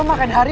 lu makan hari